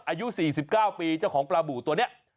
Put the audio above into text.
อายุ๔๙ปีเจ้าของปลาบูตัวนี้